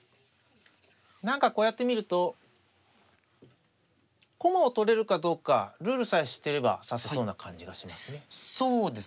何かこうやって見ると駒を取れるかどうかルールさえ知っていれば指せそうな感じがしますね。